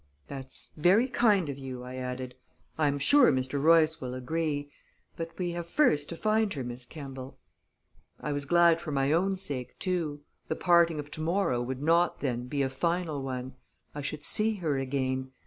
"That's very kind of you," I added. "I am sure Mr. Royce will agree but we have first to find her, Miss Kemball." I was glad for my own sake, too; the parting of to morrow would not, then, be a final one. I should see her again.